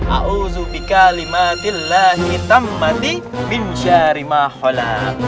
a'udzubika lima tilahi itamati binsyari mahalam